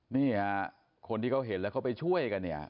นี่ค่ะคนที่เขาเห็นแล้วเขาไปช่วยกันเนี่ย